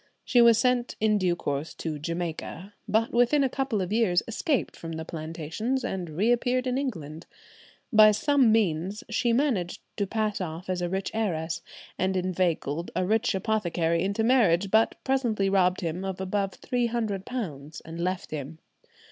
She was sent in due course to Jamaica, but within a couple of years escaped from the plantations, and reappeared in England. By some means she managed to pass off as a rich heiress, and inveigled a rich apothecary into marriage, but presently robbed him of above £300 and left him.